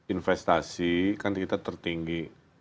investasi kan kita tertinggi